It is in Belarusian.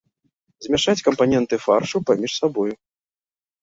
Змяшаць кампаненты фаршу паміж сабой.